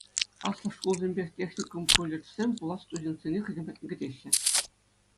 Аслӑ шкулсемпе техникум-колледжсем пулас студентсене хӑйсем патне кӗтеҫҫӗ.